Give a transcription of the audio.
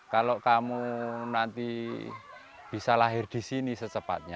kalau kamu nanti bisa lahir di sini secepatnya